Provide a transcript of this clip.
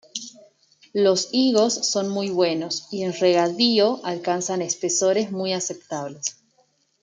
Los higos son muy buenos, y en regadío alcanzan espesores muy aceptables.